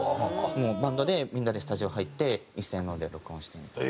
もうバンドでみんなでスタジオ入って「いっせーの」で録音してみたいな。